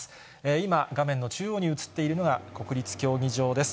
今、画面の中央に映っているのが国立競技場です。